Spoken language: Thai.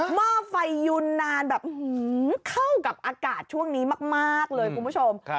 หม้อไฟยุนนานแบบเข้ากับอากาศช่วงนี้มากเลยคุณผู้ชม